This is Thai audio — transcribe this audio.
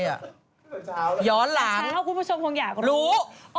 ย้อนหลังเพราะเช้าคุณผู้ชมคงอยากรู้รู้เช้า